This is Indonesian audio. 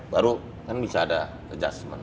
baru kan bisa ada adjustment